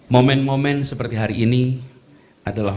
momen momen seperti hari ini adalah